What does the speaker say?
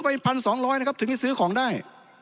ไปพันสองร้อยนะครับถึงให้ซื้อของได้